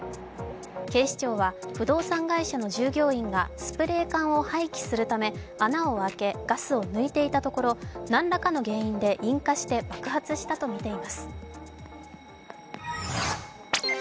警視庁は不動産会社の従業員がスプレー缶を廃棄するため穴を開けガスを抜いていたところ何らかの原因で引火して爆発したとみています。